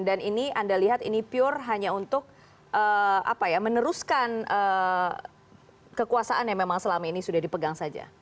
ini anda lihat ini pure hanya untuk meneruskan kekuasaan yang memang selama ini sudah dipegang saja